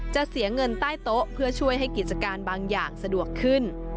จะเสียเงินใต้โต๊ะเพื่อช่วยให้กิจการบางอย่างสะดวกขึ้น